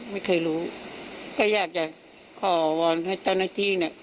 ไม่เคยรู้ก็อยากจะขอวอนให้เจ้าหน้าที่เนี่ย